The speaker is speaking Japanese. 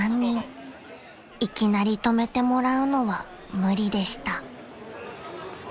［いきなり泊めてもらうのは無理でした］